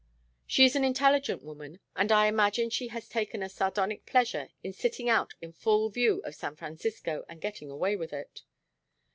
She is an intelligent woman and I imagine she has taken a sardonic pleasure in sitting out in full view of San Francisco, and getting away with it."